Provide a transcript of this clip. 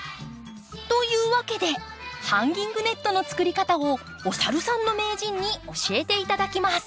というわけでハンギングネットの作り方をおさるさんの名人に教えて頂きます。